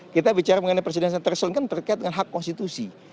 kita bicara mengenai presidensial threshold kan terkait dengan hak konstitusi